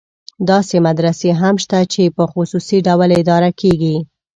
داسې مدرسې هم شته چې په خصوصي ډول اداره کېږي.